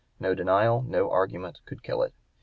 No denial, no argument, could kill it.